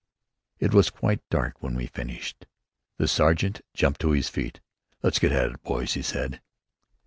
It was quite dark when we had finished. The sergeant jumped to his feet. "Let's get at it, boys," he said.